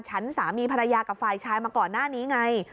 ฉันสามีภรรยากับฝ่ายชายมาก่อนหน้านี้ไง